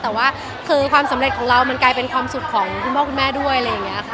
แต่ว่าคือความสำเร็จของเรามันกลายเป็นความสุขของคุณพ่อคุณแม่ด้วยอะไรอย่างนี้ค่ะ